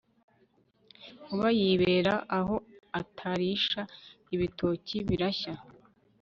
Nkuba yibera aho Atarisha ibitoki birashya